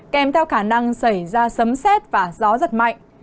kèm theo khả năng xảy ra sấm xét và gió giật mạnh